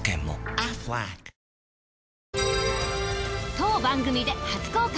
当番組で初公開！